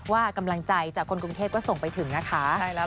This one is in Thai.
ว่ากำลังใจจากคนกรุงเทพก็ส่งไปถึงนะคะ